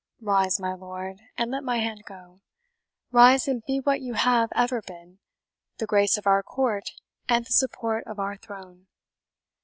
Rise, my lord, and let my hand go rise, and be what you have ever been, the grace of our court and the support of our throne!